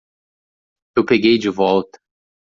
Eu peguei de volta.